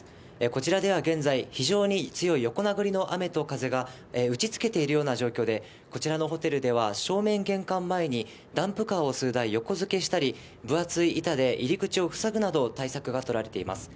こちらでは現在、非常に強い横殴りの雨と風が打ちつけているような状況で、こちらのホテルでは、正面玄関前にダンプカーを数台横付けしたり、分厚い板で入り口を塞ぐなど、対策が取られています。